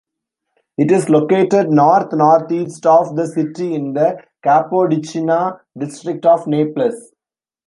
It is located north-northeast of the city in the Capodichino district of Naples.